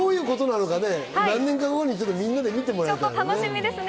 何年か後にみんなで見てもらいたいですよね。